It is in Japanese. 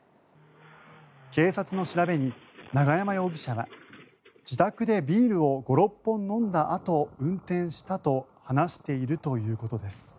警察の調べに、永山容疑者は自宅でビールを５６本飲んだあと運転したと話しているということです。